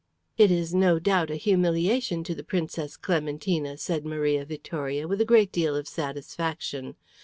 "It is no doubt a humiliation to the Princess Clementina," said Maria Vittoria, with a great deal of satisfaction.